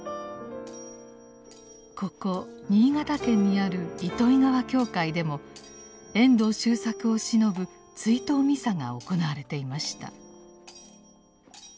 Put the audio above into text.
ここ新潟県にある糸魚川教会でも遠藤周作をしのぶ追悼ミサが行われていました。